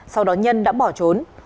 sau đó nhân đã bỏ trốn